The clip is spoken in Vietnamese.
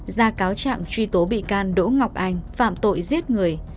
ra cáo trạng truy tố bị can đỗ ngọc anh phạm tội giết người